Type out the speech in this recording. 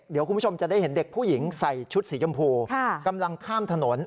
เดี๋ยวคุณผู้ชมจะได้เห็นเด็กผู้หญิงใส่ชุดสีชมพูกำลังข้ามถนน